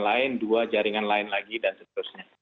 lain dua jaringan lain lagi dan seterusnya